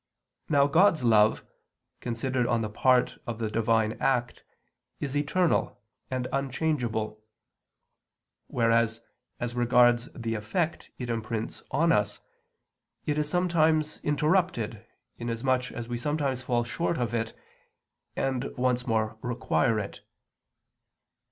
Now God's love, considered on the part of the Divine act, is eternal and unchangeable; whereas, as regards the effect it imprints on us, it is sometimes interrupted, inasmuch as we sometimes fall short of it and once more require it.